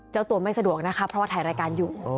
เจ้าตัวไม่สะดวกนะคะเพราะว่าถ่ายรายการอยู่